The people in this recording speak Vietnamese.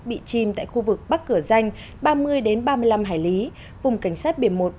bị chìm tại khu vực bắc cửa danh ba mươi ba mươi năm hải lý vùng cảnh sát biển một